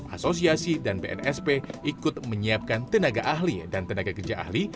asosiasi dan bnsp ikut menyiapkan tenaga ahli dan tenaga kerja ahli